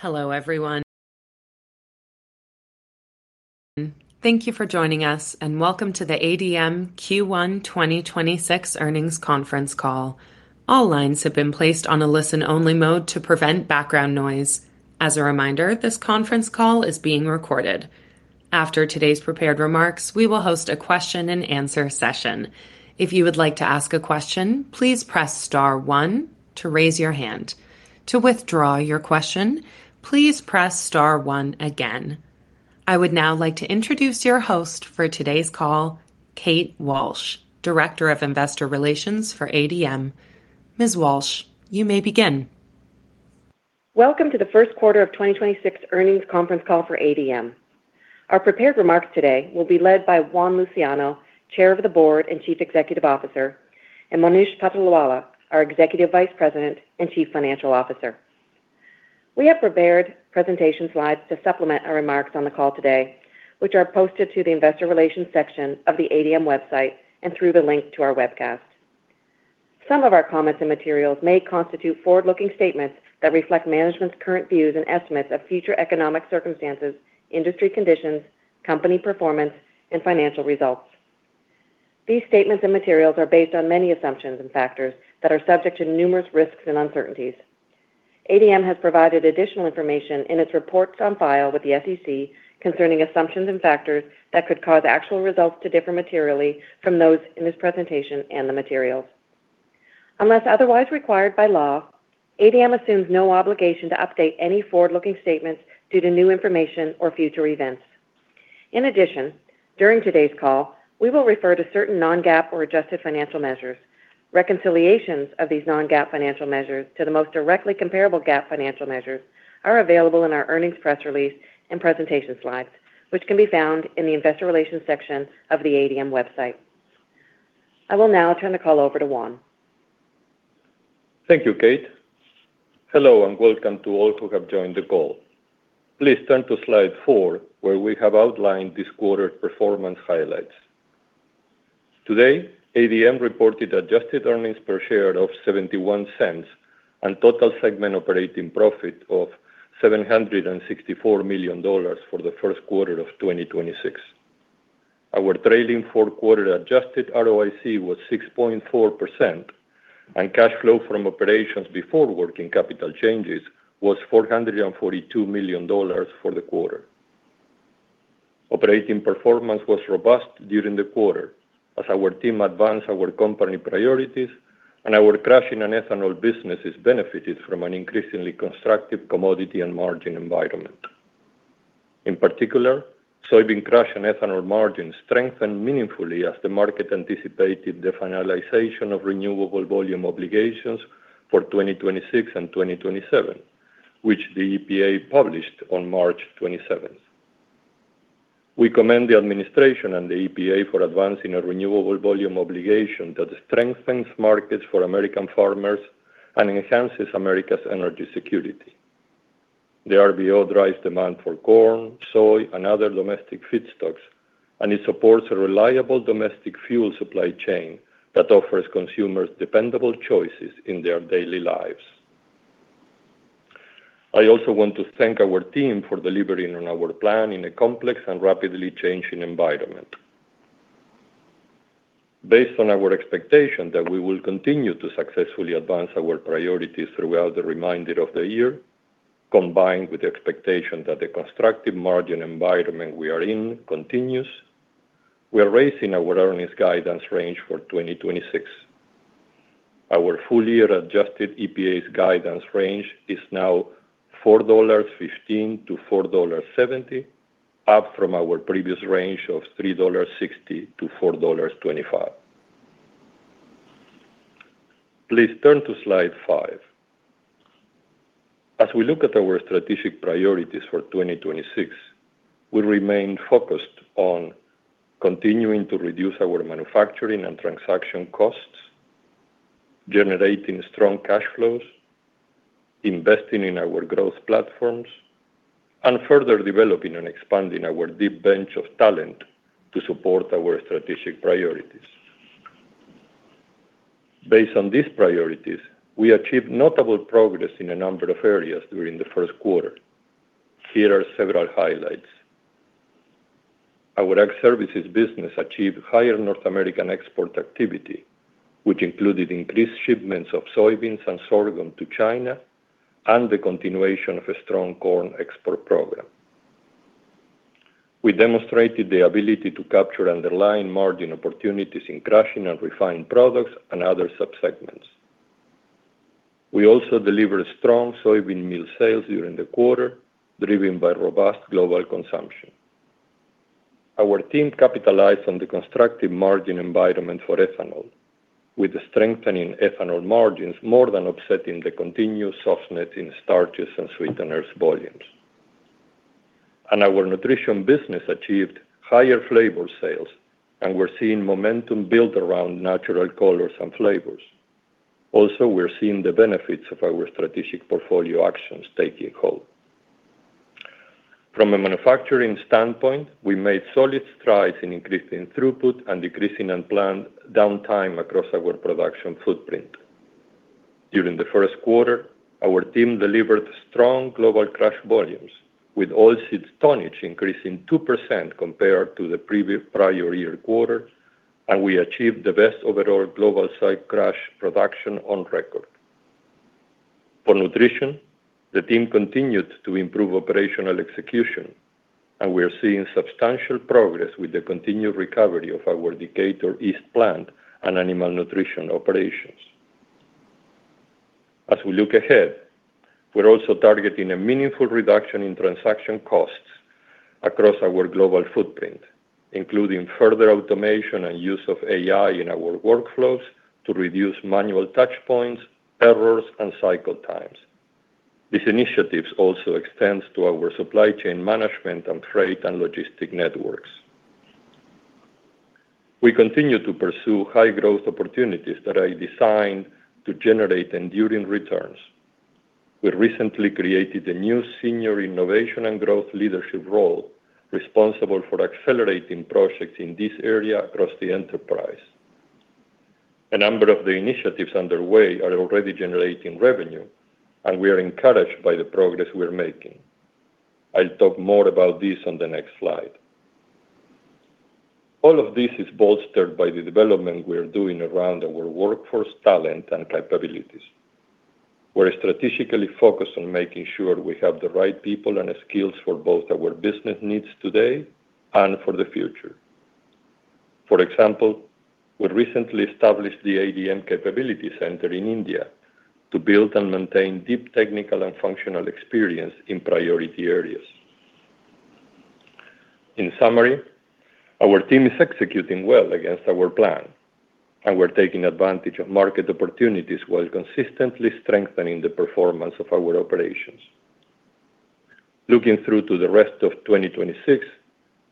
Hello, everyone. Thank you for joining us and welcome to the ADM Q1 2026 earnings conference call. All lines have been placed on a listen-only mode to prevent background noise. As a reminder, this conference call is being recorded. After today's prepared remarks, we will host a question and answer session. If you would like to ask a question, please press star one to raise your hand. To withdraw your question, please press star one again. I would now like to introduce your host for today's call, Kate Walsh, Director of Investor Relations for ADM. Ms. Walsh, you may begin. Welcome to the first quarter of 2026 earnings conference call for ADM. Our prepared remarks today will be led by Juan Luciano, Chair of the Board and Chief Executive Officer, and Monish Patolawala, our Executive Vice President and Chief Financial Officer. We have prepared presentation slides to supplement our remarks on the call today, which are posted to the investor relations section of the ADM website and through the link to our webcast. Some of our comments and materials may constitute forward-looking statements that reflect management's current views and estimates of future economic circumstances, industry conditions, company performance, and financial results. These statements and materials are based on many assumptions and factors that are subject to numerous risks and uncertainties. ADM has provided additional information in its reports on file with the SEC concerning assumptions and factors that could cause actual results to differ materially from those in this presentation and the materials. Unless otherwise required by law, ADM assumes no obligation to update any forward-looking statements due to new information or future events. In addition, during today's call, we will refer to certain non-GAAP or adjusted financial measures. Reconciliations of these non-GAAP financial measures to the most directly comparable GAAP financial measures are available in our earnings press release and presentation slides, which can be found in the investor relations section of the ADM website. I will now turn the call over to Juan. Thank you, Kate. Hello, and welcome to all who have joined the call. Please turn to Slide 4, where we have outlined this quarter's performance highlights. Today, ADM reported adjusted earnings per share of $0.71 and total segment operating profit of $764 million for the first quarter of 2026. Our trailing fourth quarter Adjusted ROIC was 6.4%, and cash flow from operations before working capital changes was $442 million for the quarter. Operating performance was robust during the quarter as our team advanced our company priorities, and our crushing and ethanol businesses benefited from an increasingly constructive commodity and margin environment. In particular, soybean crush and ethanol margins strengthened meaningfully as the market anticipated the finalization of renewable volume obligations for 2026 and 2027, which the EPA published on March 27th. We commend the administration and the EPA for advancing a renewable volume obligation that strengthens markets for American farmers and enhances America's energy security. [inaudible] for corn, soy, and other domestic food stuffs and it supports a reliable domestic fuel supply chain that offers consumers dependable choices in their daily lives. I also want to thank our team for delivering on our plan in a complex and rapidly changing environment. Based on our expectation that we will continue to successfully advance our priorities throughout the remainder of the year, combined with the expectation that the constructive margin environment we are in continues, we are raising our earnings guidance range for 2026. Our full-year Adjusted EPS guidance range is now $4.15-$4.70, up from our previous range of $3.60-$4.25. Please turn to Slide 5. As we look at our strategic priorities for 2026, we remain focused on continuing to reduce our manufacturing and transaction costs, generating strong cash flows, investing in our growth platforms, and further developing and expanding our deep bench of talent to support our strategic priorities. Based on these priorities, we achieved notable progress in a number of areas during the first quarter. Here are several highlights. Our Ag Services business achieved higher North American export activity, which included increased shipments of soybeans and sorghum to China and the continuation of a strong corn export program. We demonstrated the ability to capture underlying margin opportunities in crushing and refined products and other sub-segments. We also delivered strong soybean meal sales during the quarter, driven by robust global consumption. Our team capitalized on the constructive margin environment for ethanol, with strengthening ethanol margins more than offsetting the continued softness in starches and sweeteners volumes. Our Nutrition business achieved higher flavor sales, and we're seeing momentum build around natural colors and flavors. We're seeing the benefits of our strategic portfolio actions taking hold. From a manufacturing standpoint, we made solid strides in increasing throughput and decreasing unplanned downtime across our production footprint. During the first quarter, our team delivered strong global crush volumes with oilseed tonnage increasing 2% compared to the prior year quarter, and we achieved the best overall global site crush production on record. For Nutrition, the team continued to improve operational execution, and we are seeing substantial progress with the continued recovery of our Decatur East plant and animal nutrition operations. As we look ahead, we're also targeting a meaningful reduction in transaction costs across our global footprint, including further automation and use of AI in our workflows to reduce manual touchpoints, errors, and cycle times. These initiatives also extends to our supply chain management and freight and logistic networks. We continue to pursue high growth opportunities that are designed to generate enduring returns. We recently created a new senior innovation and growth leadership role responsible for accelerating projects in this area across the enterprise. A number of the initiatives underway are already generating revenue, and we are encouraged by the progress we are making. I'll talk more about this on the next slide. All of this is bolstered by the development we are doing around our workforce talent and capabilities. We're strategically focused on making sure we have the right people and skills for both our business needs today and for the future. For example, we recently established the ADM Capability Center in India to build and maintain deep technical and functional experience in priority areas. In summary, our team is executing well against our plan, and we're taking advantage of market opportunities while consistently strengthening the performance of our operations. Looking through to the rest of 2026,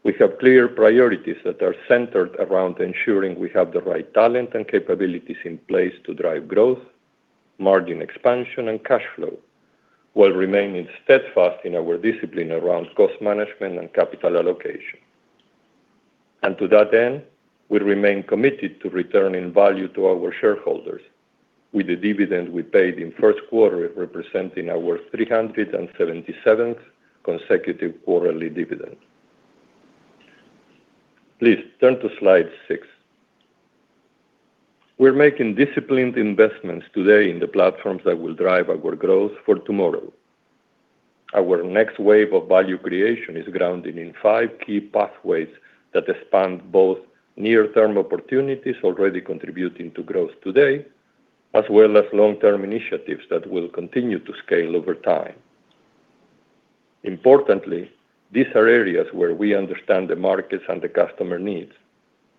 we have clear priorities that are centered around ensuring we have the right talent and capabilities in place to drive growth, margin expansion, and cash flow, while remaining steadfast in our discipline around cost management and capital allocation. To that end, we remain committed to returning value to our shareholders with the dividend we paid in first quarter representing our 377th consecutive quarterly dividend. Please turn to Slide 6. We're making disciplined investments today in the platforms that will drive our growth for tomorrow. Our next wave of value creation is grounded in five key pathways that span both near-term opportunities already contributing to growth today, as well as long-term initiatives that will continue to scale over time. Importantly, these are areas where we understand the markets and the customer needs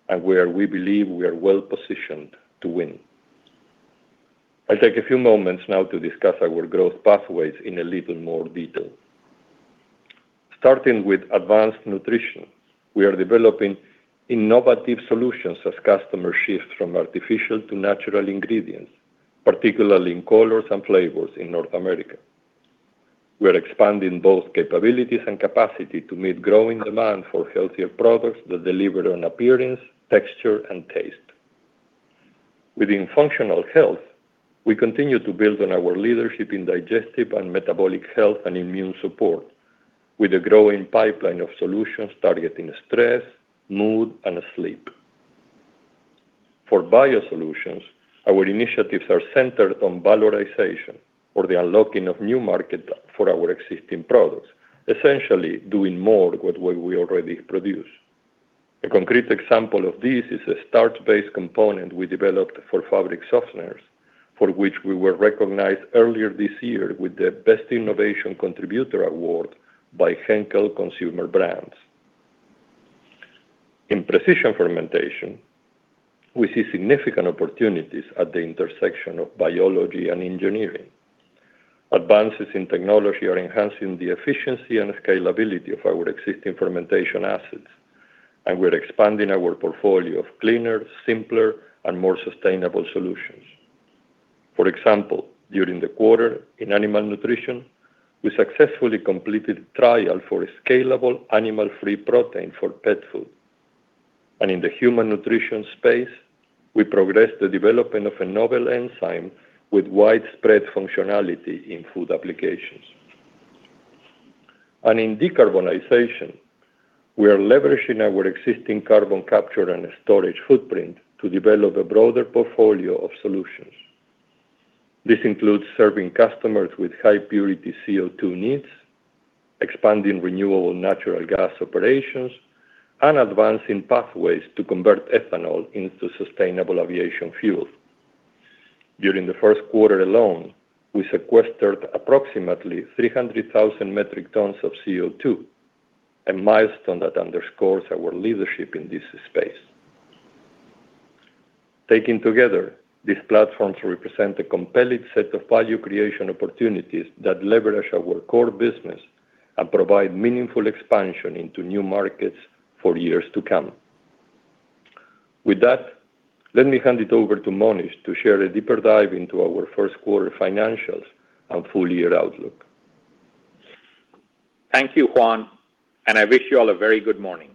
and where we believe we are well-positioned to win. I'll take a few moments now to discuss our growth pathways in a little more detail. Starting with Nutrition, we are developing innovative solutions as customer shifts from artificial to natural ingredients, particularly in colors and flavors in North America. We are expanding both capabilities and capacity to meet growing demand for healthier products that deliver on appearance, texture, and taste. Within functional health, we continue to build on our leadership in digestive and metabolic health and immune support with a growing pipeline of solutions targeting stress, mood, and sleep. For biosolutions, our initiatives are centered on valorization or the unlocking of new market for our existing products, essentially doing more with what we already produce. A concrete example of this is a starch-based component we developed for fabric softeners, for which we were recognized earlier this year with the Best Innovation Contributor Award by Henkel Consumer Brands. In precision fermentation, we see significant opportunities at the intersection of biology and engineering. Advances in technology are enhancing the efficiency and scalability of our existing fermentation assets, and we're expanding our portfolio of cleaner, simpler, and more sustainable solutions. For example, during the quarter in animal nutrition, we successfully completed trial for a scalable animal-free protein for pet food. In the human Nutrition space, we progressed the development of a novel enzyme with widespread functionality in food applications. In decarbonization, we are leveraging our existing carbon capture and storage footprint to develop a broader portfolio of solutions. This includes serving customers with high purity CO2 needs, expanding renewable natural gas operations, and advancing pathways to convert ethanol into sustainable aviation fuel. During the first quarter alone, we sequestered approximately 300,000 metric tons of CO2, a milestone that underscores our leadership in this space. Taken together, these platforms represent a compelling set of value creation opportunities that leverage our core business and provide meaningful expansion into new markets for years to come. With that, let me hand it over to Monish to share a deeper dive into our first quarter financials and full year outlook. Thank you, Juan, and I wish you all a very good morning.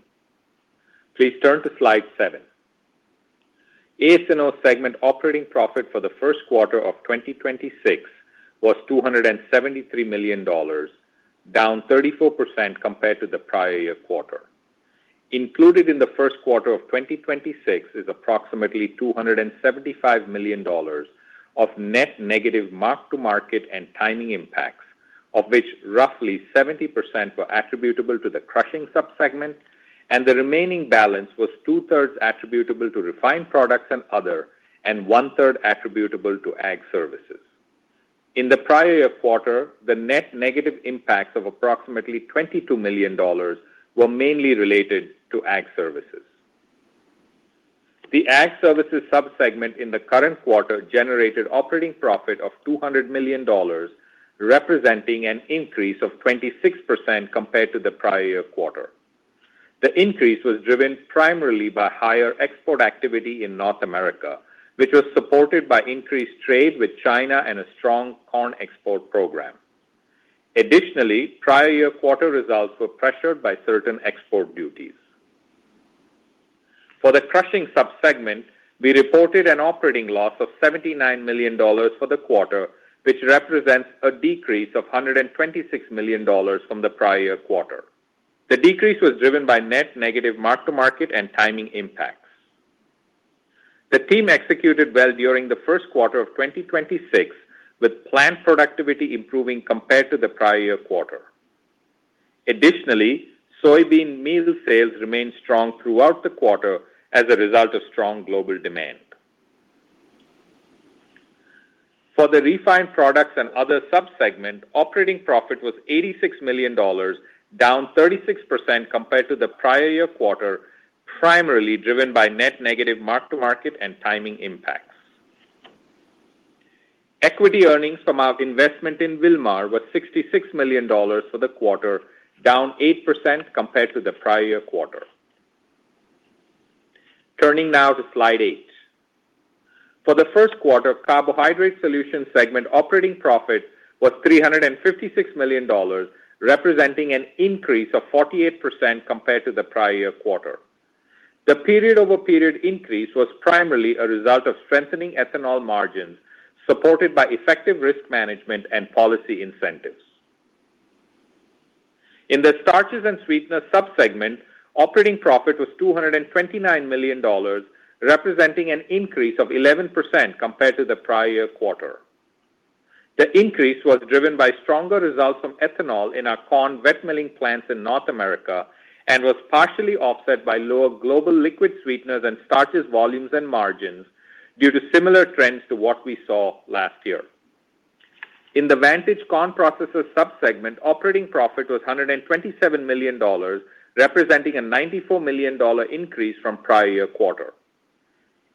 Please turn to Slide 7. Ethanol segment operating profit for the first quarter of 2026 was $273 million, down 34% compared to the prior year quarter. Included in the first quarter of 2026 is approximately $275 million of net negative mark-to-market and timing impacts, of which roughly 70% were attributable to the crushing sub-segment, and the remaining balance was 2/3 attributable to refined products and other, and 1/3 attributable to Ag Services. In the prior year quarter, the net negative impacts of approximately $22 million were mainly related to Ag Services. The Ag Services sub-segment in the current quarter generated operating profit of $200 million, representing an increase of 26% compared to the prior year quarter. The increase was driven primarily by higher export activity in North America, which was supported by increased trade with China and a strong corn export program. Additionally, prior year quarter results were pressured by certain export duties. For the crushing sub-segment, we reported an operating loss of $79 million for the quarter, which represents a decrease of $126 million from the prior quarter. The decrease was driven by net negative mark-to-market and timing impacts. The team executed well during the first quarter of 2026, with plant productivity improving compared to the prior year quarter. Additionally, soybean meal sales remained strong throughout the quarter as a result of strong global demand. For the refined products and other sub-segment, operating profit was $86 million, down 36% compared to the prior year quarter, primarily driven by net negative mark-to-market and timing impacts. Equity earnings from our investment in Wilmar was $66 million for the quarter, down 8% compared to the prior quarter. Turning now to Slide 8. For the first quarter, Carbohydrate Solutions segment operating profit was $356 million, representing an increase of 48% compared to the prior quarter. The period-over-period increase was primarily a result of strengthening ethanol margins, supported by effective risk management and policy incentives. In the starches and sweeteners sub-segment, operating profit was $229 million, representing an increase of 11% compared to the prior quarter. The increase was driven by stronger results from ethanol in our corn wet milling plants in North America, and was partially offset by lower global liquid sweeteners and starches volumes and margins due to similar trends to what we saw last year. In the Vantage Corn Processors sub-segment, operating profit was $127 million, representing a $94 million increase from prior quarter.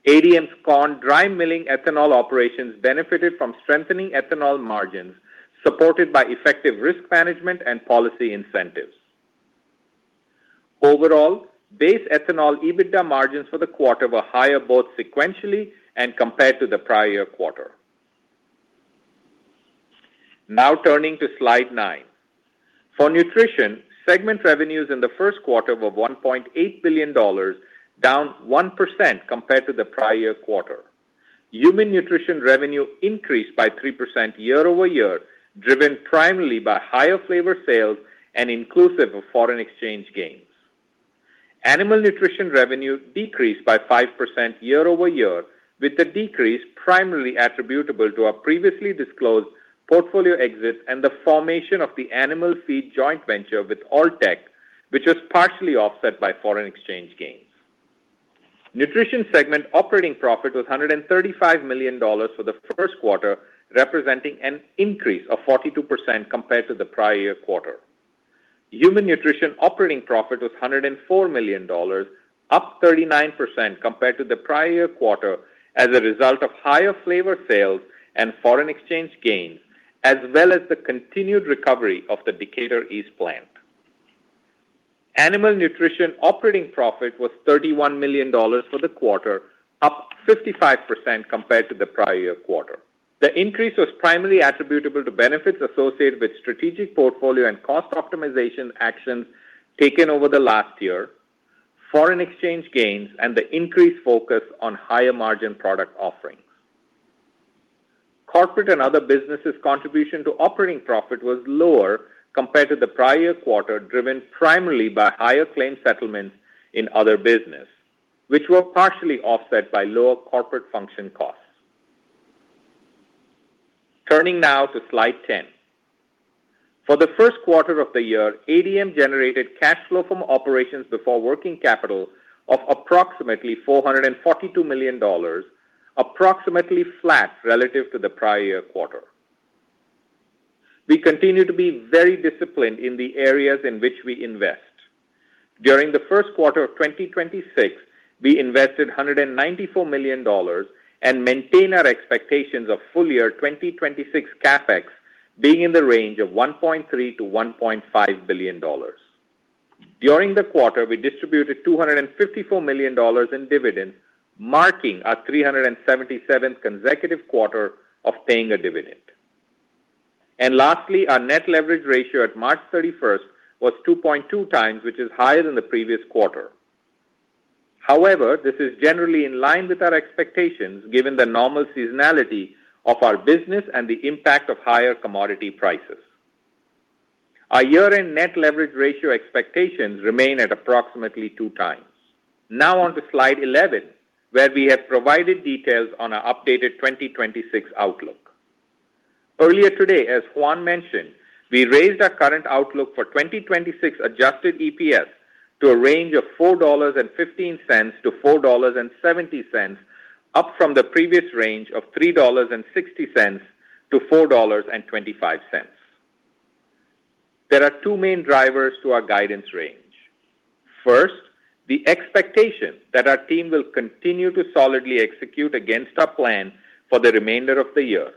ADM's corn dry milling ethanol operations benefited from strengthening ethanol margins, supported by effective risk management and policy incentives. Overall, base ethanol EBITDA margins for the quarter were higher both sequentially and compared to the prior quarter. Turning to Slide 9. For Nutrition, segment revenues in the first quarter were $1.8 billion, down 1% compared to the prior quarter. Human Nutrition revenue increased by 3% year-over-year, driven primarily by higher flavor sales and inclusive of foreign exchange gains. Animal Nutrition revenue decreased by 5% year-over-year, with the decrease primarily attributable to our previously disclosed portfolio exits and the formation of the animal feed joint venture with Alltech, which was partially offset by foreign exchange gains. Nutrition segment operating profit was $135 million for the first quarter, representing an increase of 42% compared to the prior quarter. Human nutrition operating profit was $104 million, up 39% compared to the prior quarter as a result of higher flavor sales and foreign exchange gains, as well as the continued recovery of the Decatur East plant. Animal nutrition operating profit was $31 million for the quarter, up 55% compared to the prior quarter. The increase was primarily attributable to benefits associated with strategic portfolio and cost optimization actions taken over the last year, foreign exchange gains, and the increased focus on higher-margin product offerings. Corporate and other businesses' contribution to operating profit was lower compared to the prior quarter, driven primarily by higher claim settlements in other business, which were partially offset by lower corporate function costs. Turning now to Slide 10. For the first quarter of the year, ADM generated cash flow from operations before working capital of approximately $442 million, approximately flat relative to the prior quarter. We continue to be very disciplined in the areas in which we invest. During the first quarter of 2026, we invested $194 million and maintain our expectations of full-year 2026 CapEx being in the range of $1.3 billion-$1.5 billion. During the quarter, we distributed $254 million in dividends, marking our 377 consecutive quarter of paying a dividend. Lastly, our net leverage ratio at March 31st was 2.2x, which is higher than the previous quarter. However, this is generally in line with our expectations given the normal seasonality of our business and the impact of higher commodity prices. Our year-end net leverage ratio expectations remain at approximately 2x. Now on to Slide 11, where we have provided details on our updated 2026 outlook. Earlier today, as Juan mentioned, we raised our current outlook for 2026 Adjusted EPS to a range of $4.15-$4.70, up from the previous range of $3.60-$4.25. There are two main drivers to our guidance range. First, the expectation that our team will continue to solidly execute against our plan for the remainder of the year.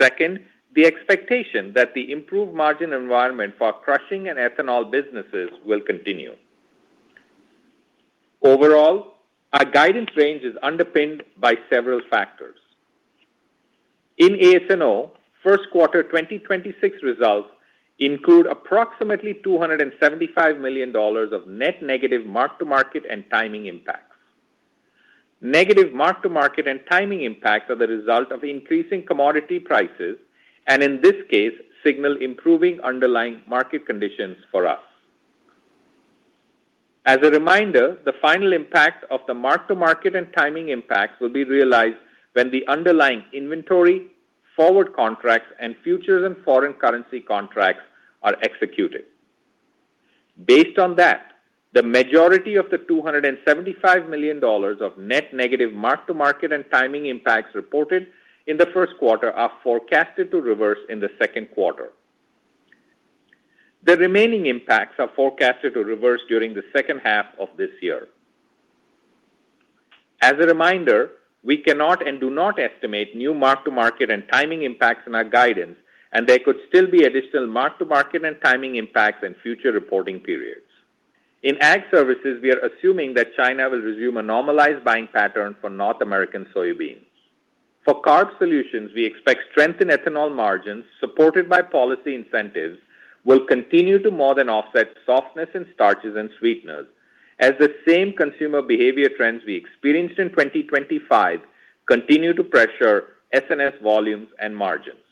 Second, the expectation that the improved margin environment for our crushing and ethanol businesses will continue. Overall, our guidance range is underpinned by several factors. In ethanol, first quarter 2026 results include approximately $275 million of net negative mark-to-market and timing impacts. Negative mark-to-market and timing impacts are the result of increasing commodity prices, and in this case, signal improving underlying market conditions for us. As a reminder, the final impact of the mark-to-market and timing impacts will be realized when the underlying inventory, forward contracts, and futures and foreign currency contracts are executed. Based on that, the majority of the $275 million of net negative mark-to-market and timing impacts reported in the first quarter are forecasted to reverse in the second quarter. The remaining impacts are forecasted to reverse during the second half of this year. As a reminder, we cannot and do not estimate new mark-to-market and timing impacts in our guidance, and there could still be additional mark-to-market and timing impacts in future reporting periods. In Ag Services, we are assuming that China will resume a normalized buying pattern for North American soybeans. For Carbohydrate Solutions, we expect strength in ethanol margins supported by policy incentives will continue to more than offset softness in starches and sweeteners, as the same consumer behavior trends we experienced in 2025 continue to pressure SNS volumes and margins.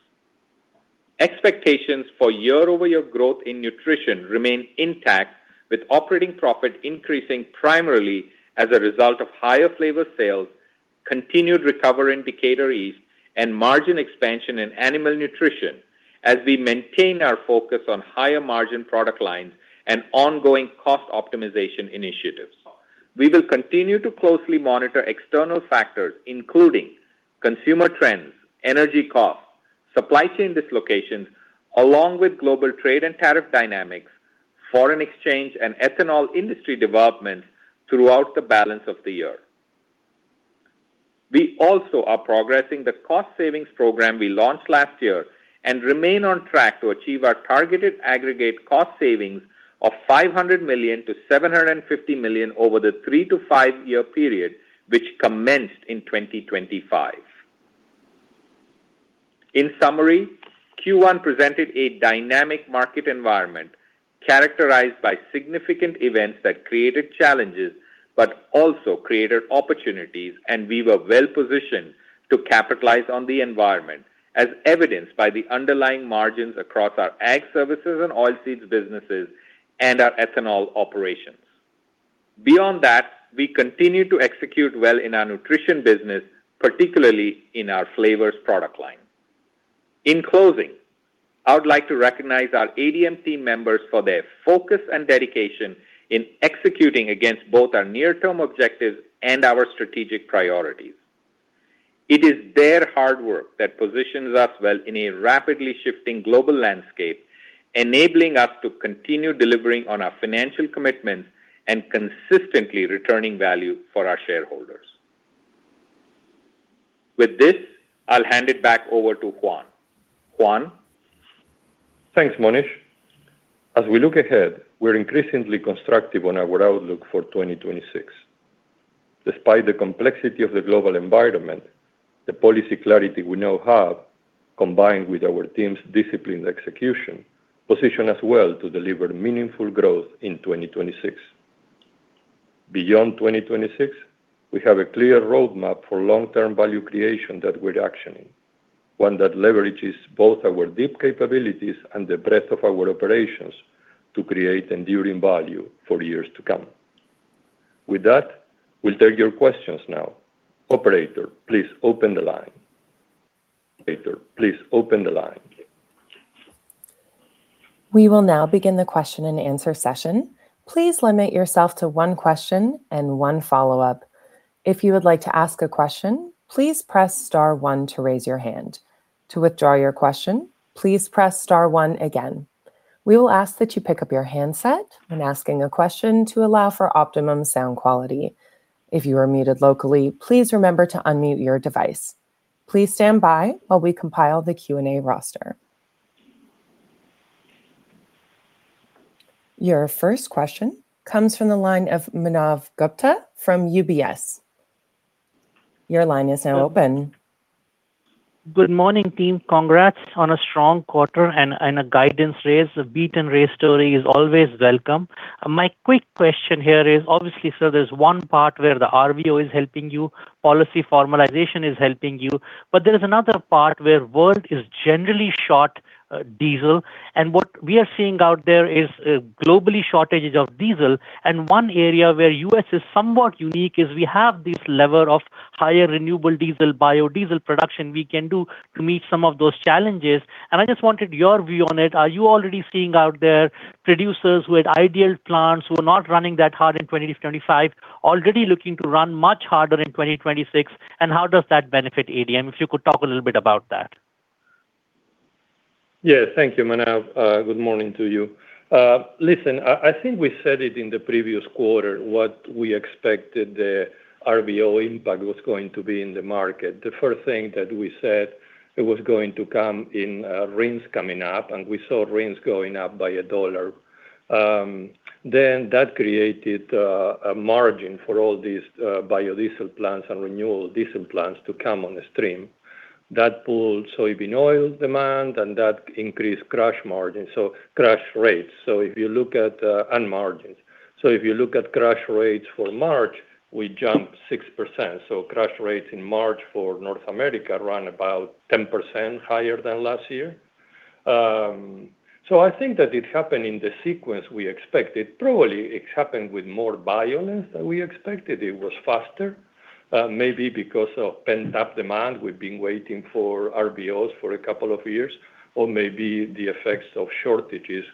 Expectations for year-over-year growth in Nutrition remain intact, with operating profit increasing primarily as a result of higher flavor sales, continued recovery in bakeries, and margin expansion in animal nutrition as we maintain our focus on higher margin product lines and ongoing cost optimization initiatives. We will continue to closely monitor external factors, including consumer trends, energy costs, supply chain dislocations, along with global trade and tariff dynamics, foreign exchange, and ethanol industry developments throughout the balance of the year. We also are progressing the cost savings program we launched last year and remain on track to achieve our targeted aggregate cost savings of $500 million-$750 million over the 3-5 year period, which commenced in 2025. In summary, Q1 presented a dynamic market environment characterized by significant events that created challenges but also created opportunities, and we were well-positioned to capitalize on the environment, as evidenced by the underlying margins across our Ag Services and Oilseeds businesses and our ethanol operations. Beyond that, we continue to execute well in our Nutrition business, particularly in our flavors product line. In closing, I would like to recognize our ADM team members for their focus and dedication in executing against both our near-term objectives and our strategic priorities. It is their hard work that positions us well in a rapidly shifting global landscape, enabling us to continue delivering on our financial commitments and consistently returning value for our shareholders. With this, I'll hand it back over to Juan. Juan? Thanks, Monish. As we look ahead, we're increasingly constructive on our outlook for 2026. Despite the complexity of the global environment, the policy clarity we now have, combined with our team's disciplined execution, position us well to deliver meaningful growth in 2026. Beyond 2026, we have a clear roadmap for long-term value creation that we're actioning, one that leverages both our deep capabilities and the breadth of our operations to create enduring value for years to come. With that, we'll take your questions now. Operator, please open the line. Operator, please open the line. We will now begin the question and answer session. Please limit your self to one question and one follow up. If you would like to ask a question, please press star one to raise your hand. To withdraw your question, please press star one again. We will ask you to pick up your handset while asking the question to allow for optimum sound quality. If you want me to vocally please remember to unmute your device. Please stand by while we compile our Q&A roster. Your first question comes from the line of Manav Gupta from UBS. Your line is now open. Good morning, team. Congrats on a strong quarter and a guidance raise. A beat-and-raise story is always welcome. My quick question here is, obviously, sir, there's one part where the RVO is helping you, policy formalization is helping you, but there is another part where world is generally short diesel. What we are seeing out there is globally shortages of diesel. One area where U.S. is somewhat unique is we have this level of higher renewable diesel, biodiesel production we can do to meet some of those challenges, and I just wanted your view on it. Are you already seeing out there producers with ideal plants who are not running that hard in 2025 already looking to run much harder in 2026, and how does that benefit ADM? If you could talk a little bit about that. Yeah. Thank you, Manav. Good morning to you. Listen, I think we said it in the previous quarter what we expected the RVO impact was going to be in the market. The first thing that we said, it was going to come in, RINs coming up. We saw RINs going up by $1. That created a margin for all these biodiesel plants and renewable diesel plants to come on the stream. That pulled soybean oil demand. That increased crush margin, crush rates. If you look at crush rates for March, we jumped 6%, crush rates in March for North America run about 10% higher than last year. I think that it happened in the sequence we expected. Probably it happened with more violence than we expected. It was faster, maybe because of pent-up demand. We've been waiting for RVOs for a couple years, or maybe the effects of shortages,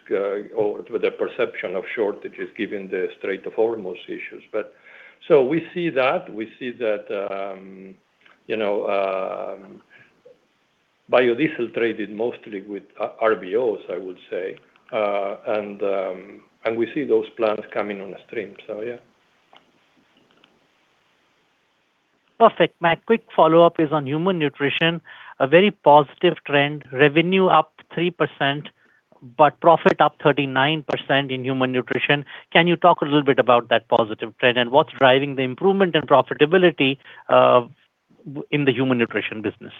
or the perception of shortages given the straightforward most issues. We see that. We see that, you know, biodiesel traded mostly with RVOs, I would say. We see those plants coming on the stream. Perfect. My quick follow-up is on Human Nutrition. A very positive trend. Revenue up 3%, but profit up 39% in Human Nutrition. Can you talk a little bit about that positive trend, and what's driving the improvement and profitability in the Human Nutrition business?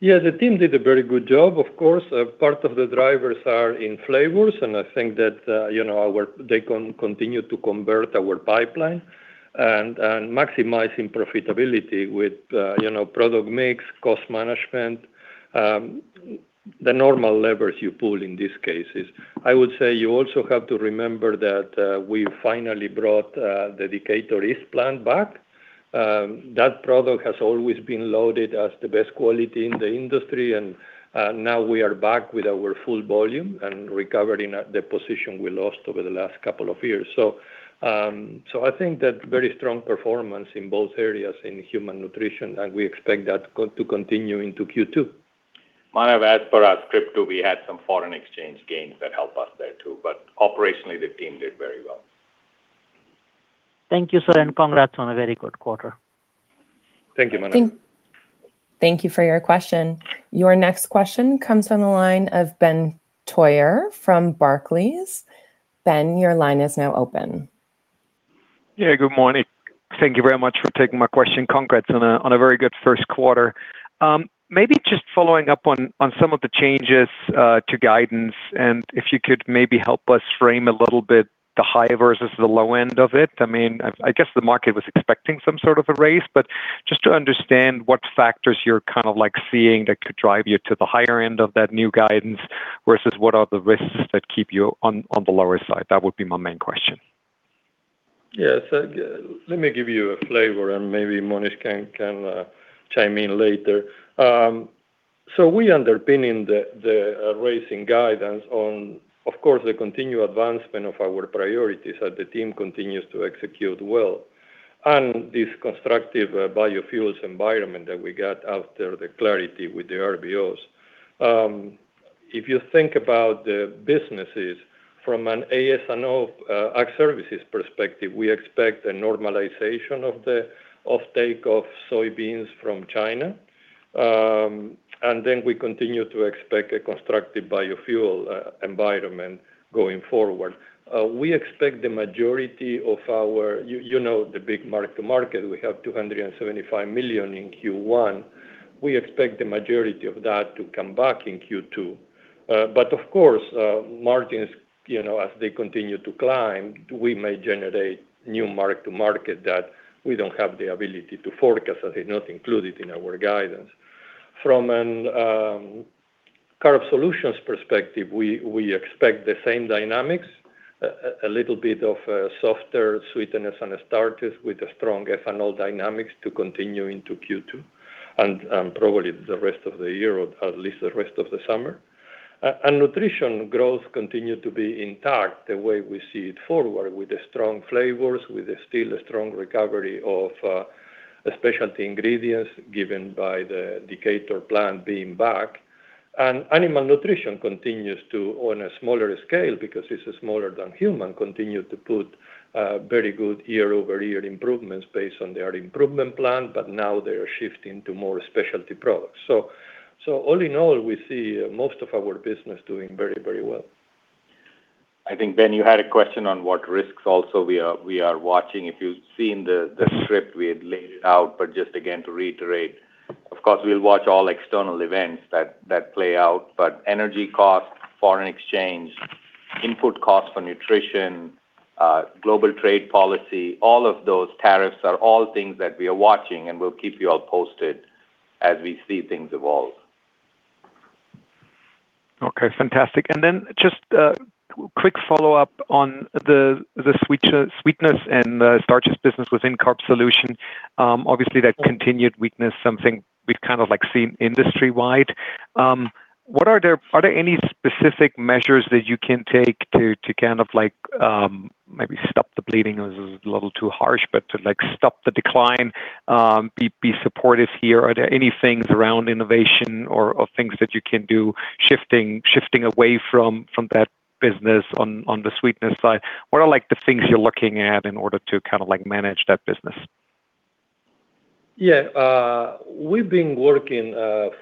The team did a very good job. Of course, a part of the drivers are in flavors, and I think that, you know, our they continue to convert our pipeline and maximizing profitability with, you know, product mix, cost management, the normal levers you pull in these cases. I would say you also have to remember that we finally brought the Decatur East plant back. That product has always been loaded as the best quality in the industry, and now we are back with our full volume and recovering the position we lost over the last couple of years. I think that very strong performance in both areas in human Nutrition, and we expect that to continue into Q2. Manav, as per our script too, we had some foreign exchange gains that helped us there too, but operationally, the team did very well. Thank you, sir, and congrats on a very good quarter. Thank you, Manav. Thank you for your question. Your next question comes from the line of Ben Theurer from Barclays. Ben, your line is now open. Yeah, good morning. Thank you very much for taking my question. Congrats on a very good first quarter. Maybe just following up on some of the changes to guidance, if you could maybe help us frame a little bit the high versus the low end of it. I mean, I guess the market was expecting some sort of a raise, but just to understand what factors you're kind of like seeing that could drive you to the higher end of that new guidance versus what are the risks that keep you on the lower side? That would be my main question. Yeah. Let me give you a flavor, and maybe Monish can chime in later. We underpinning the raising guidance on, of course, the continued advancement of our priorities as the team continues to execute well and this constructive biofuels environment that we got after the clarity with the RVOs. If you think about the businesses from an AS&O, Ag Services perspective, we expect a normalization of the offtake of soybeans from China, and then we continue to expect a constructive biofuel environment going forward. We expect the majority of our You know the big mark to market. We have $275 million in Q1. We expect the majority of that to come back in Q2. Of course, margins, as they continue to climb, we may generate new mark to market that we don't have the ability to forecast, as in not included in our guidance. From Carbohydrate Solutions perspective, we expect the same dynamics, a little bit of softer sweeteners and starches with strong ethanol dynamics to continue into Q2 and probably the rest of the year, or at least the rest of the summer. Nutrition growth continued to be intact the way we see it forward with the strong flavors, with the still a strong recovery of Specialty Ingredients given by the Decatur plant being back. Animal Nutrition continues to, on a smaller scale, because it's smaller than human, continue to put very good year-over-year improvements based on their improvement plan. Now they are shifting to more specialty products. All in all, we see most of our business doing very well. I think, Ben, you had a question on what risks also we are watching. If you've seen the script, we had laid it out, but just again to reiterate, of course, we'll watch all external events that play out. Energy costs, foreign exchange, input costs for Nutrition, global trade policy, all of those tariffs are all things that we are watching, and we'll keep you all posted as we see things evolve. Okay. Fantastic. Just a quick follow-up on the sweetness and the starches business within Carb Solutions. Obviously, that continued weakness, something we've kind of like seen industry-wide. What are there any specific measures that you can take to kind of like maybe stop the bleeding is a little too harsh, but to like stop the decline, be supportive here? Are there any things around innovation or things that you can do shifting away from that business on the sweetness side? What are like the things you're looking at in order to kind of like manage that business? Yeah. We've been working,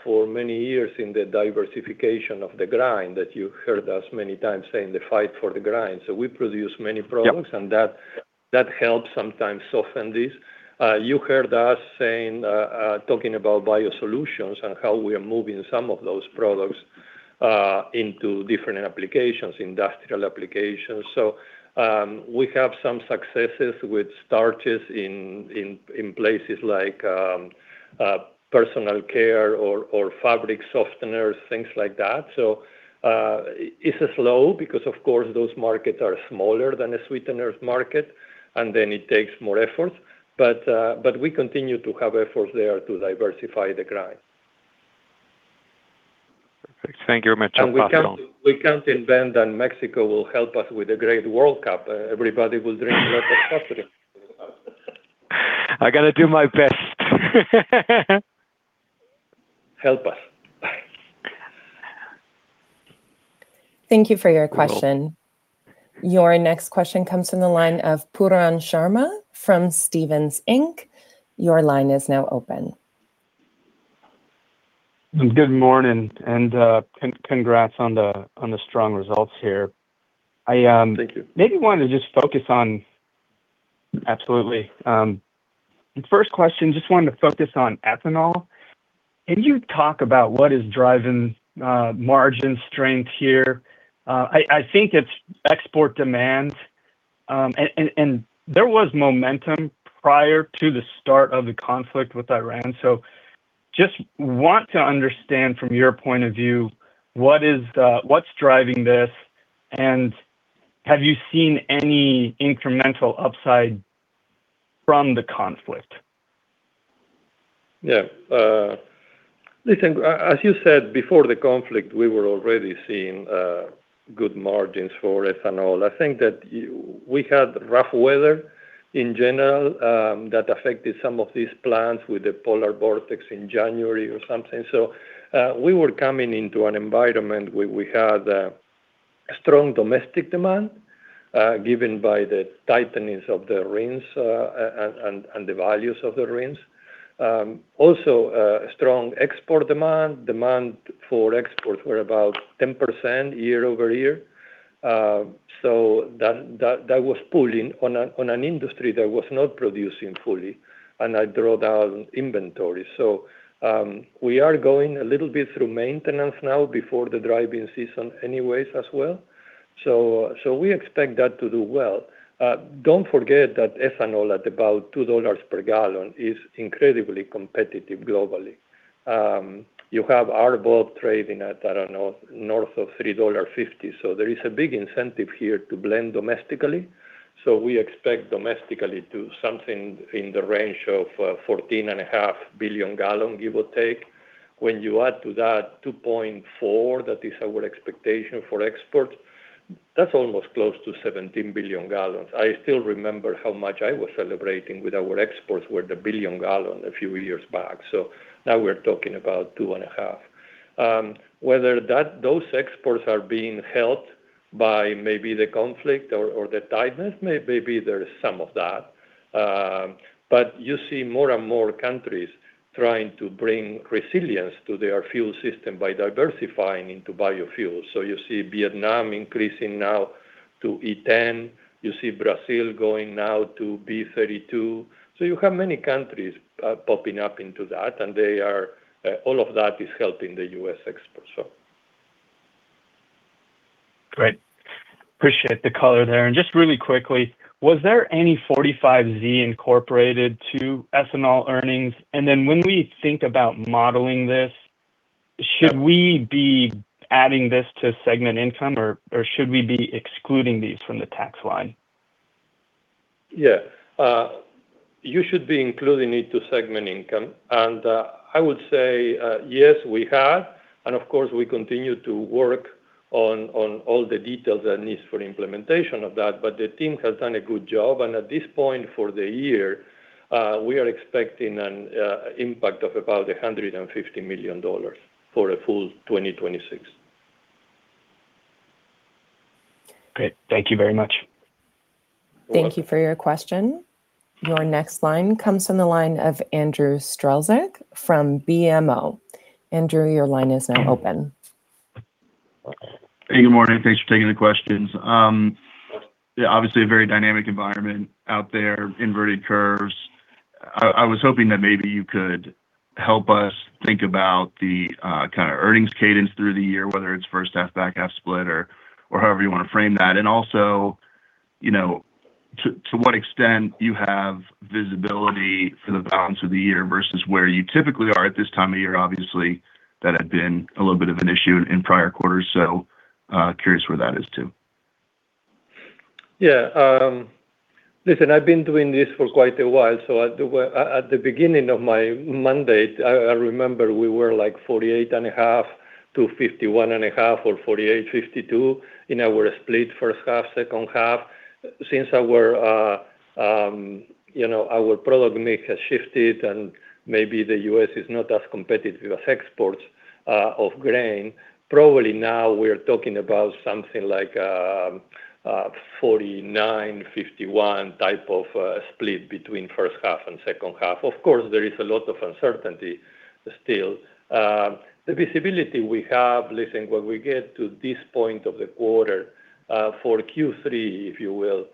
for many years in the diversification of the grind that you heard us many times saying the fight for the grind. We produce many products and that helps sometimes soften this. You heard us saying, talking about biosolutions and how we are moving some of those products into different applications, industrial applications. We have some successes with starches in places like personal care or fabric softeners, things like that. It's slow because, of course, those markets are smaller than a sweeteners market, and then it takes more effort. We continue to have efforts there to diversify the grind. Perfect. Thank you very much. Passing on. We count in Ben that Mexico will help us with the great World Cup. Everybody will drink lots of coffee. I gotta do my best. Help us. Thank you for your question. Your next question comes from the line of Pooran Sharma from Stephens Inc. Your line is now open. Good morning. Congrats on the strong results here. Thank you. Absolutely. First question, just wanted to focus on ethanol. Can you talk about what is driving margin strength here? I think it's export demand. And there was momentum prior to the start of the conflict with Iran. Just want to understand from your point of view, what is what's driving this, and have you seen any incremental upside from the conflict? Listen, as you said, before the conflict, we were already seeing good margins for ethanol. I think that we had rough weather in general that affected some of these plants with the polar vortex in January or something. We were coming into an environment where we had a strong domestic demand given by the tightening of the RINs and the values of the RINs. Also, strong export demand. Demand for exports were about 10% year-over-year. That was pulling on an industry that was not producing fully and had drawn down inventory. We are going a little bit through maintenance now before the driving season anyways as well. We expect that to do well. Don't forget that ethanol at about $2 per gallon is incredibly competitive globally. You have RBOB trading at, I don't know, north of $3.50. There is a big incentive here to blend domestically. We expect domestically to something in the range of 14.5 billion gallons, give or take. When you add to that 2.4, that is our expectation for export, that's almost close to 17 billion gallons. I still remember how much I was celebrating with our exports were the billion gallons a few years back. Now we're talking about 2.5. Whether those exports are being helped by maybe the conflict or the tightness, maybe there is some of that. You see more and more countries trying to bring resilience to their fuel system by diversifying into biofuels. You see Vietnam increasing now to E10. You see Brazil going now to B32. You have many countries popping up into that, and all of that is helping the U.S. export. Great. Appreciate the color there. Just really quickly, was there any 45Z incorporated to ethanol earnings? When we think about modeling this, should we be adding this to segment income, or should we be excluding these from the tax line? Yeah. You should be including it to segment income. I would say, yes, we have, and of course, we continue to work on all the details and needs for implementation of that. The team has done a good job. At this point for the year, we are expecting an impact of about $150 million for a full 2026. Great. Thank you very much. Thank you for your question. Your next line comes from the line of Andrew Strelzik from BMO. Andrew, your line is now open. Hey, good morning. Thanks for taking the questions. Yeah, obviously a very dynamic environment out there, inverted curves. I was hoping that maybe you could help us think about the kind of earnings cadence through the year, whether it's first half, back half split or however you wanna frame that. Also, you know, to what extent you have visibility for the balance of the year versus where you typically are at this time of year. Obviously that had been a little bit of an issue in prior quarters, curious where that is too. Listen, I've been doing this for quite a while. At the beginning of my mandate, I remember we were like 48.5 to 51.5, or 248, 52 in our split first half, second half. Since our, you know, our product mix has shifted and maybe the U.S. is not as competitive as exports of grain, probably now we are talking about something like 49, 51 type of split between first half and second half. Of course, there is a lot of uncertainty still. The visibility we have, listen, when we get to this point of the quarter for Q3 if you will,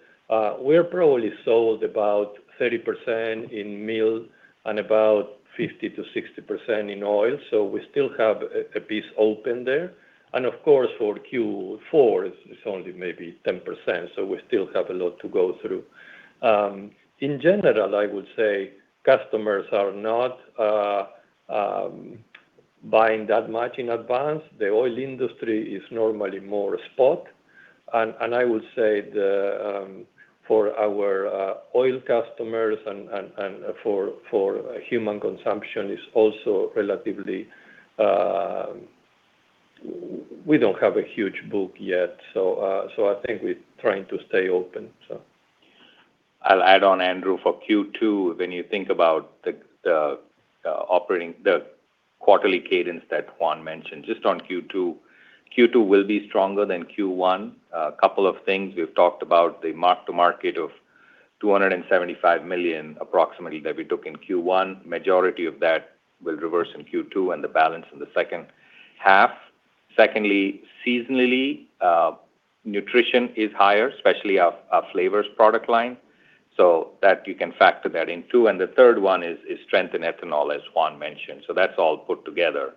we are probably sold about 30% in mill and about 50%-60% in oil, we still have a piece open there. Of course, for Q4 it's only maybe 10%. We still have a lot to go through. In general, I would say customers are not buying that much in advance. The oil industry is normally more spot and I would say the for our oil customers and for human consumption is also relatively we don't have a huge book yet. I think we're trying to stay open. I'll add on Andrew, for Q2, when you think about the quarterly cadence that Juan mentioned, just on Q2 will be stronger than Q1. A couple of things. We've talked about the mark to market of $275 million approximately that we took in Q1. Majority of that will reverse in Q2 and the balance in the second half. Secondly, seasonally, Nutrition is higher, especially our flavors product line, so that you can factor that in too. The third one is strength in ethanol, as Juan mentioned. That's all put together.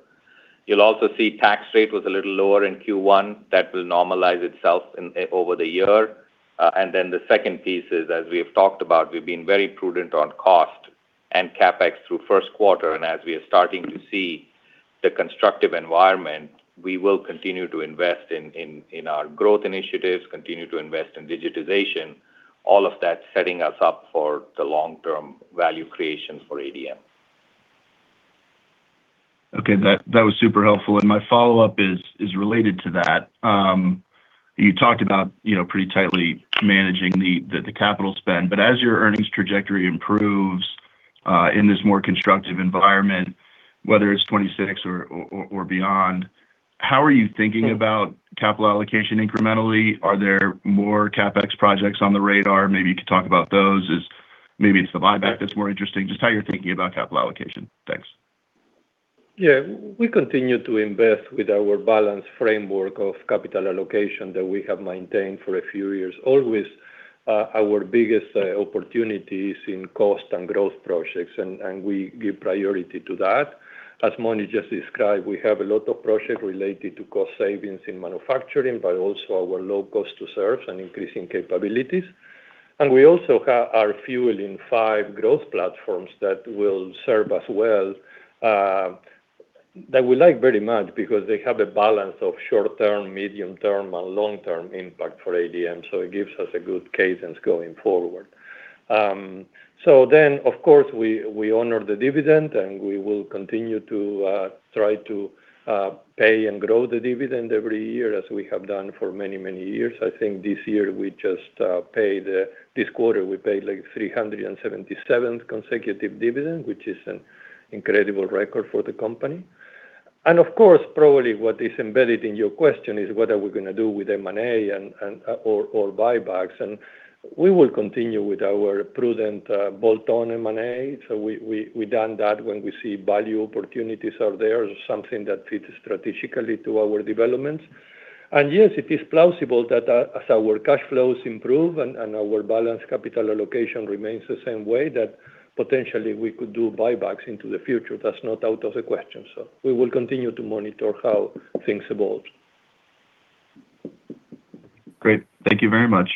You'll also see tax rate was a little lower in Q1. That will normalize itself over the year. Then the second piece is, as we have talked about, we've been very prudent on cost and CapEx through first quarter, and as we are starting to see the constructive environment, we will continue to invest in our growth initiatives, continue to invest in digitization, all of that setting us up for the long-term value creation for ADM. Okay. That was super helpful. My follow-up is related to that. You talked about, you know, pretty tightly managing the capital spend, but as your earnings trajectory improves in this more constructive environment, whether it's 2026 or beyond, how are you thinking about capital allocation incrementally? Are there more CapEx projects on the radar? Maybe you could talk about those. Maybe it's the buyback that's more interesting. Just how you're thinking about capital allocation. Thanks. Yeah. We continue to invest with our balanced framework of capital allocation that we have maintained for a few years. Always, our biggest opportunity is in cost and growth projects, and we give priority to that. As Mony just described, we have a lot of project related to cost savings in manufacturing, but also our low cost to serves and increasing capabilities. We also are fueling five growth platforms that will serve us well, that we like very much because they have a balance of short-term, medium-term, and long-term impact for ADM, so it gives us a good cadence going forward. Of course we honor the dividend and we will continue to try to pay and grow the dividend every year as we have done for many years. I think this year we just paid this quarter we paid like 377 consecutive dividend, which is an incredible record for the company. Of course, probably what is embedded in your question is what are we gonna do with M&A or buybacks. We will continue with our prudent bolt-on M&A. We done that when we see value opportunities are there or something that fits strategically to our developments. Yes, it is plausible that as our cash flows improve and our balanced capital allocation remains the same way, that potentially we could do buybacks into the future. That's not out of the question. We will continue to monitor how things evolve. Great. Thank you very much.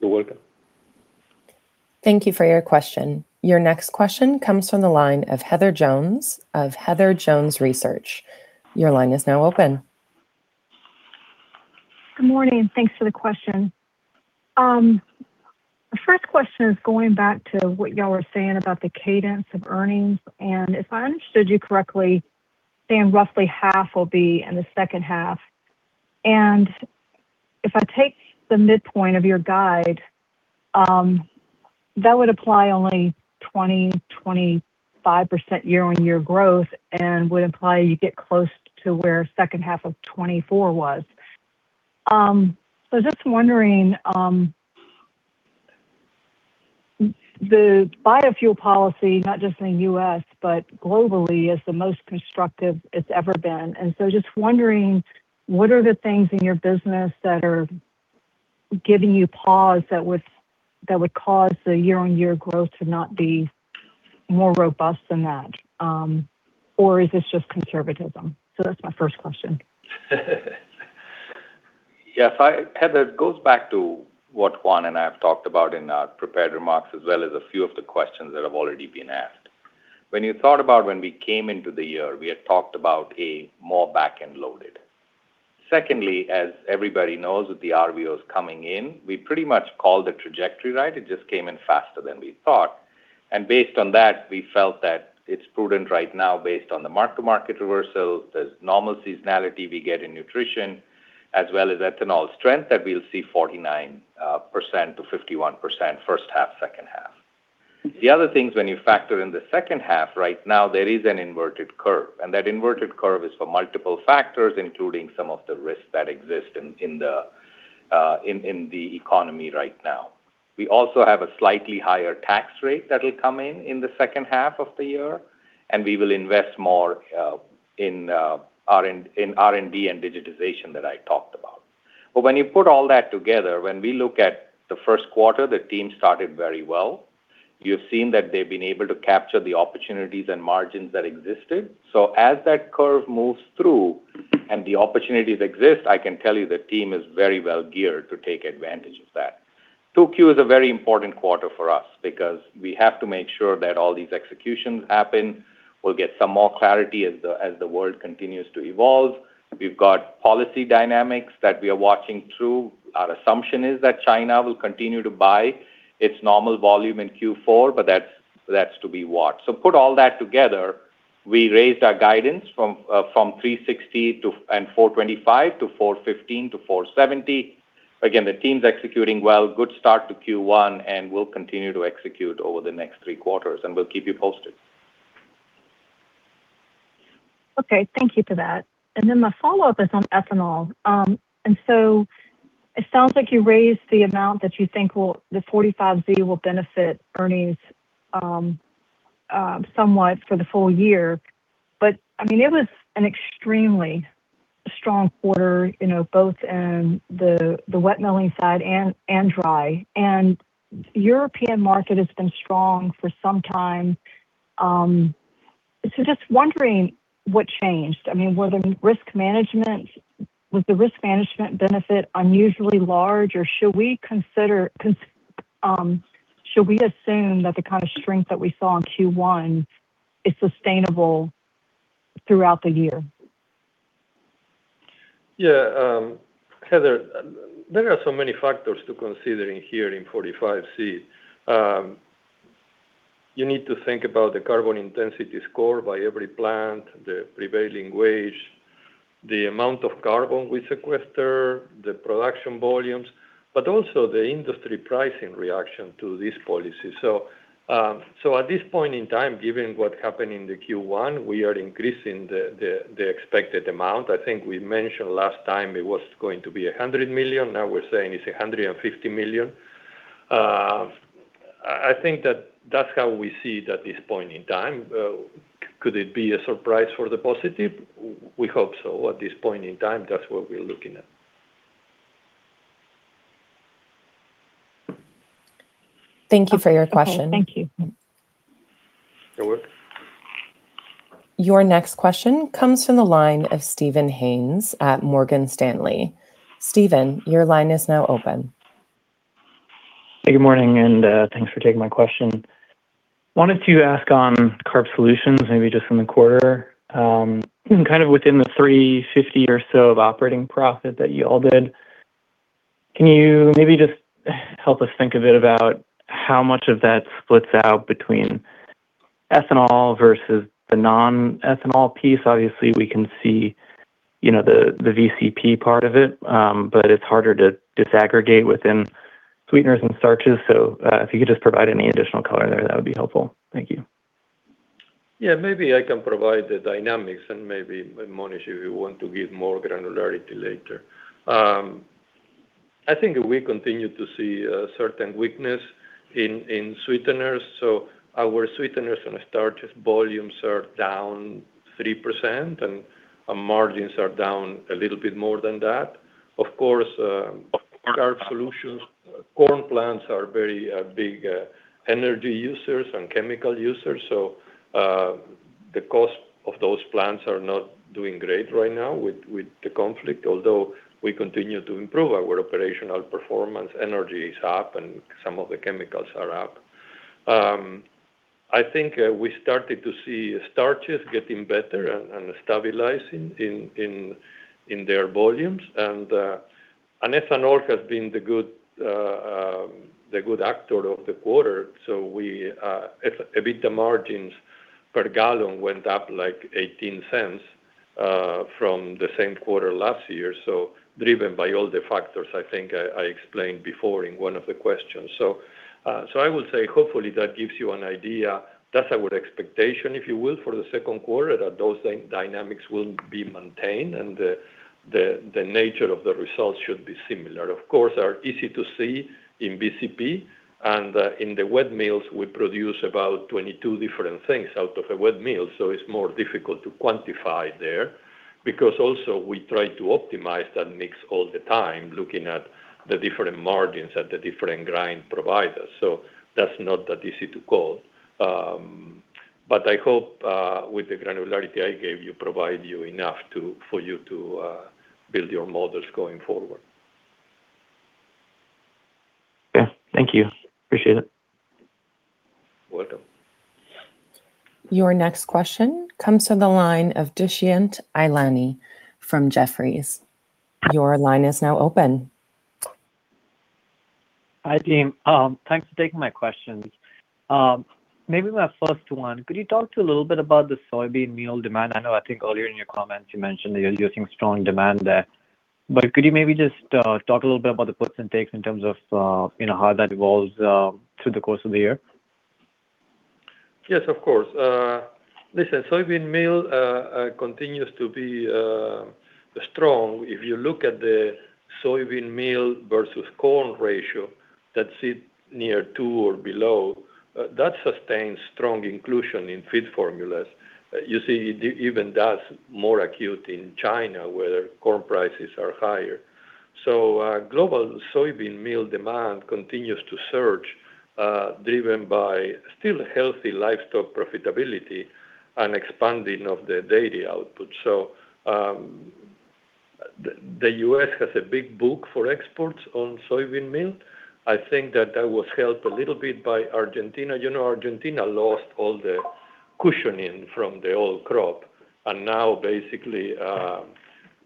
You're welcome. Thank you for your question. Your next question comes from the line of Heather Jones of Heather Jones Research. Your line is now open. Good morning. Thanks for the question. The first question is going back to what y'all were saying about the cadence of earnings. If I understood you correctly, saying roughly half will be in the second half. If I take the midpoint of your guide, that would apply only 20%-25% year-over-year growth and would imply you get close to where second half of 2024 was. Just wondering, the biofuel policy, not just in the U.S., but globally, is the most constructive it's ever been. Just wondering, what are the things in your business that are giving you pause that would cause the year-over-year growth to not be more robust than that or is this just conservatism? That's my first question. Heather, it goes back to what Juan and I have talked about in our prepared remarks, as well as a few of the questions that have already been asked. When you thought about when we came into the year, we had talked about a more back-end loaded. Secondly, as everybody knows, with the RVOs coming in, we pretty much called the trajectory right. It just came in faster than we thought. Based on that, we felt that it's prudent right now based on the mark-to-market reversals, there's normal seasonality we get in Nutrition, as well as ethanol strength, that we'll see 49%-51% first half, second half. The other things, when you factor in the second half, right now there is an inverted curve. That inverted curve is for multiple factors, including some of the risks that exist in the economy right now. We also have a slightly higher tax rate that will come in in the second half of the year. We will invest more in R&D and digitization that I talked about. When you put all that together, when we look at the first quarter, the team started very well. You've seen that they've been able to capture the opportunities and margins that existed. As that curve moves through and the opportunities exist, I can tell you the team is very well geared to take advantage of that. 2Q is a very important quarter for us because we have to make sure that all these executions happen. We'll get some more clarity as the world continues to evolve. We've got policy dynamics that we are watching through. Our assumption is that China will continue to buy its normal volume in Q4, but that's to be watched. Put all that together, we raised our guidance from $360 and $425 to $415 to $470. The team's executing well, good start to Q1, and we'll continue to execute over the next three quarters, and we'll keep you posted. Okay. Thank you for that. My follow-up is on ethanol. It sounds like you raised the amount that you think the 45Z will benefit earnings somewhat for the full year. I mean, it was an extremely strong quarter, you know, both in the wet milling side and dry. European market has been strong for some time. Just wondering what changed. I mean, Was the risk management benefit unusually large, or should we assume that the kind of strength that we saw in Q1 is sustainable throughout the year? Heather, there are so many factors to consider in here in 45Z. You need to think about the carbon intensity score by every plant, the prevailing wage, the amount of carbon we sequester, the production volumes, also the industry pricing reaction to this policy. At this point in time, given what happened in the Q1, we are increasing the expected amount. I think we mentioned last time it was going to be $100 million. Now we're saying it's $150 million. I think that's how we see it at this point in time. Could it be a surprise for the positive? We hope so. At this point in time, that's what we're looking at. Thank you for your question. Okay. Thank you. You're welcome. Your next question comes from the line of Steven Haynes at Morgan Stanley. Steven, your line is now open. Good morning, and thanks for taking my question. I wanted to ask on Carbohydrate Solutions, maybe just on the quarter. Kind of within the $350 or so of operating profit that y'all did, can you maybe just help us think a bit about how much of that splits out between ethanol versus the non-ethanol piece? Obviously, we can see, you know, the VCP part of it, but it's harder to disaggregate within sweeteners and starches. If you could just provide any additional color there, that would be helpful. Thank you. Yeah, maybe I can provide the dynamics and maybe Monish, if you want to give more granularity later. I think we continue to see a certain weakness in sweeteners. Our sweeteners and starches volumes are down 3%, and margins are down a little bit more than that. Of course, Carbohydrate Solutions, corn plants are very big energy users and chemical users. The cost of those plants are not doing great right now with the conflict. Although we continue to improve our operational performance, energy is up and some of the chemicals are up. I think we started to see starches getting better and stabilizing in their volumes. Ethanol has been the good actor of the quarter. The margins per gallon went up like $0.18 from the same quarter last year. Driven by all the factors, I think I explained before in one of the questions. I will say hopefully that gives you an idea. That's our expectation, if you will, for the second quarter, that those dynamics will be maintained, and the nature of the results should be similar. Of course, are easy to see in VCP and in the wet mills, we produce about 22 different things out of a wet mill. It's more difficult to quantify there because also we try to optimize that mix all the time, looking at the different margins at the different grind providers. That's not that easy to call. I hope, with the granularity I gave you, provide you enough for you to build your models going forward. Yeah. Thank you. Appreciate it. Welcome. Your next question comes from the line of Dushyant Ailani from Jefferies. Your line is now open. Hi, team. Thanks for taking my questions. Maybe my first one, could you talk to a little bit about the soybean meal demand? I know, I think earlier in your comments you mentioned that you're using strong demand there. Could you maybe just talk a little bit about the puts and takes in terms of, you know, how that evolves through the course of the year? Yes, of course. Listen, soybean meal continues to be strong. If you look at the soybean meal versus corn ratio that sit near two or below, that sustains strong inclusion in feed formulas. You see it even does more acute in China, where corn prices are higher. Global soybean meal demand continues to surge, driven by still healthy livestock profitability and expanding of the dairy output. The U.S. has a big book for exports on soybean meal. I think that that was helped a little bit by Argentina. You know, Argentina lost all the cushioning from the old crop, and now basically,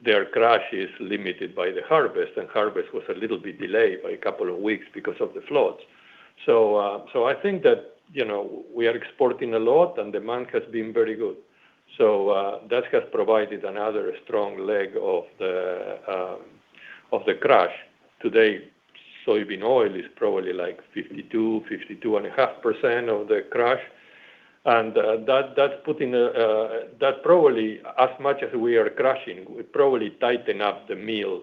their crush is limited by the harvest, and harvest was a little bit delayed by a couple of weeks because of the floods. I think that, you know, we are exporting a lot and demand has been very good. That has provided another strong leg of the crush. Today, soybean oil is probably like 52.5% of the crush. That probably as much as we are crushing, we probably tighten up the meal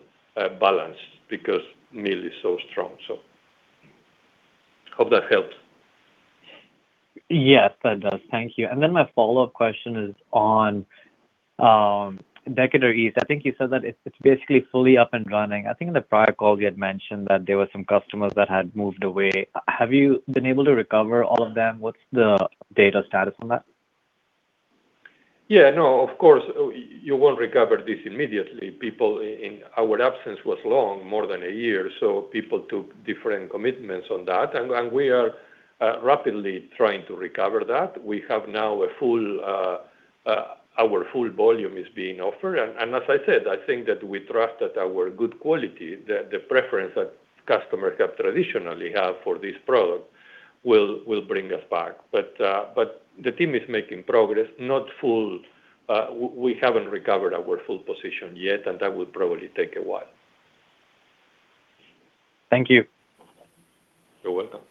balance because meal is so strong. Hope that helps. Yes, that does. Thank you. My follow-up question is on Decatur East. I think you said that it's basically fully up and running. I think in the prior call you had mentioned that there were some customers that had moved away. Have you been able to recover all of them? What's the data status on that? Yeah. No, of course, you won't recover this immediately. People in Our absence was long, more than a year, so people took different commitments on that. We are rapidly trying to recover that. We have now a full, our full volume is being offered. As I said, I think that we trust that our good quality, the preference that customers have traditionally have for this product, will bring us back. The team is making progress, not full. We haven't recovered our full position yet, and that will probably take a while. Thank you. You're welcome.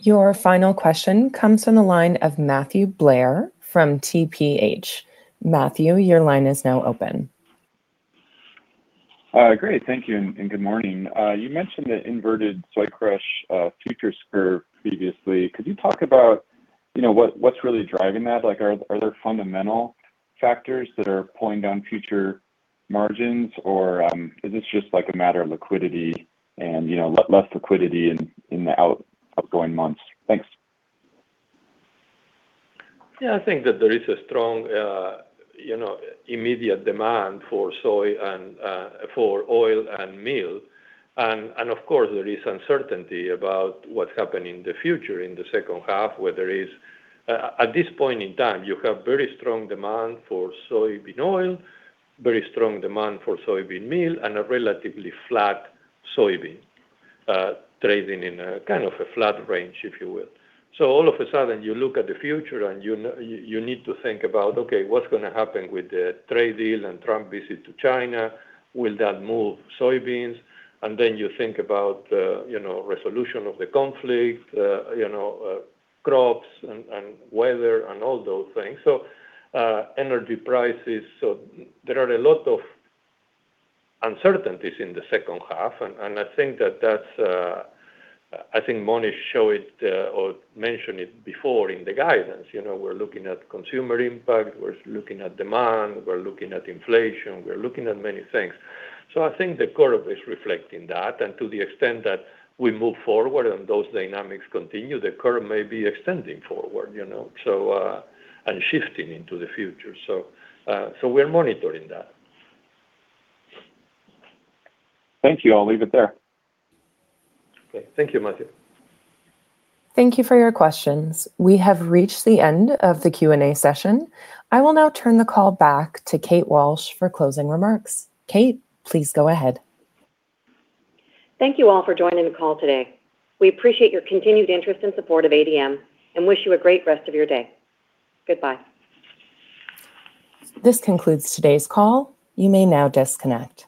Your final question comes from the line of Matthew Blair from TPH. Matthew, your line is now open. Great. Thank you, and good morning. You mentioned the inverted soy crush futures curve previously. Could you talk about, you know, what's really driving that? Like, are there fundamental factors that are pulling down future margins or is this just like a matter of liquidity and, you know, less liquidity in the out-upcoming months? Thanks. Yeah. I think that there is a strong, you know, immediate demand for soy and for oil and meal. Of course there is uncertainty about what's happened in the future, in the second half, where there is at this point in time, you have very strong demand for soybean oil, very strong demand for soybean meal, and a relatively flat soybean trading in a kind of a flat range, if you will. All of a sudden you look at the future and you need to think about, okay, what's gonna happen with the trade deal and Trump visit to China? Will that move soybeans? Then you think about, you know, resolution of the conflict, you know, crops and weather and all those things. Energy prices. There are a lot of uncertainties in the second half. I think that that's I think Monish show it or mentioned it before in the guidance. You know, we're looking at consumer impact, we're looking at demand, we're looking at inflation, we're looking at many things. I think the curve is reflecting that. To the extent that we move forward and those dynamics continue, the curve may be extending forward, you know, so, and shifting into the future. We're monitoring that. Thank you. I'll leave it there. Okay. Thank you, Matthew. Thank you for your questions. We have reached the end of the Q&A session. I will now turn the call back to Kate Walsh for closing remarks. Kate, please go ahead. Thank you all for joining the call today. We appreciate your continued interest and support of ADM, and wish you a great rest of your day. Goodbye. This concludes today's call. You may now disconnect.